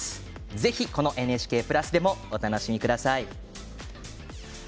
ぜひ、このＮＨＫプラスでもお楽しみください。